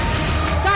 tiga dua satu